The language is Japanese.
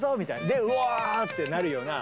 で「うわ！」ってなるような。